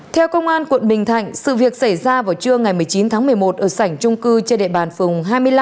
theo công an quận bình thạnh sự việc xảy ra vào trưa ngày một mươi chín tháng một mươi một ở sảnh trung cư trên đệ bàn phường hai mươi năm